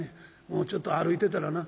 もうちょっと歩いてたらな